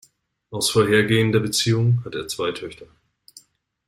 Aus vorhergehender Beziehung hat er zwei Töchter.